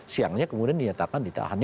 siangnya kemudian dinyatakan ditahan